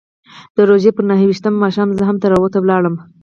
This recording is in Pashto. د روژې پر نهه ویشتم ماښام زه هم تراویحو ته ولاړم.